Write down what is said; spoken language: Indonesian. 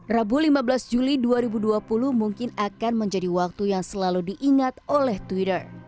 rabu lima belas juli dua ribu dua puluh mungkin akan menjadi waktu yang selalu diingat oleh twitter